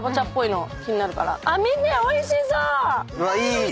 うわっいい！